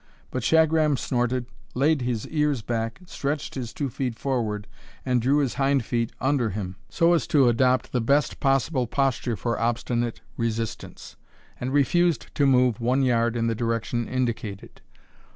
But Shagram snorted, laid his ears back, stretched his two feet forward, and drew his hind feet under him, so as to adopt the best possible posture for obstinate resistance, and refused to move one yard in the direction indicated.